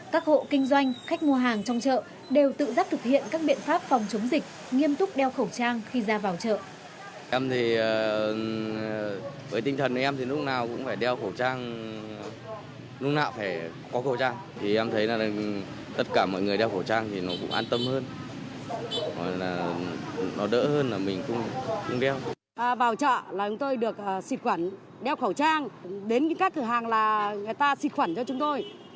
các hộ kinh doanh khách mua hàng trong chợ đều tự dắt thực hiện các biện pháp phòng chống dịch nghiêm túc đeo khẩu trang khi ra vào chợ